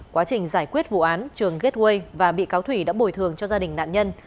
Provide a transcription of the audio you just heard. quá trình giải quyết vụ án trường gateway và bị cáo thủy đã bồi thường cho gia đình nạn nhân